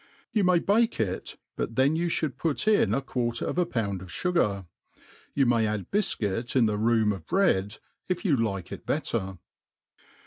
You may bake it; but then you (hould put in a quarter of a pound of fugar. You may add bifcuit in the room of bread, if you like it better.